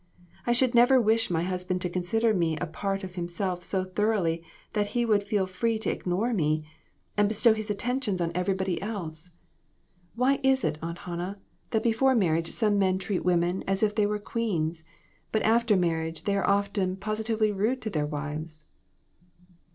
I should never wish my husband to consider me a part of himself so thoroughly, that he would feel free to ignore me, and bestow his attentions on every 1^6 LESSONS. body else. Why is it, Aunt Hannah, that before marriage some men treat women as if they were queens, but after marriage they are often pos itively rude to their wives